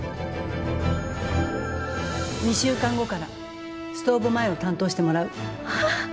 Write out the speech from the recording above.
２週間後からストーブ前を担当してもらう。